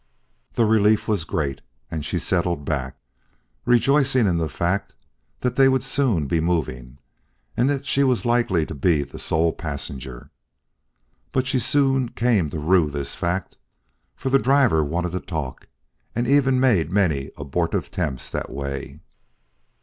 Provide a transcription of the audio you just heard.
The relief was great, and she settled back, rejoicing in the fact that they would soon be moving and that she was likely to be the sole passenger. But she soon came to rue this fact, for the driver wanted to talk and even made many abortive attempts that way.